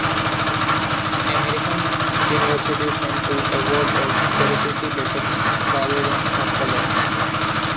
American universities tend to award a varsity letter rather than a colour.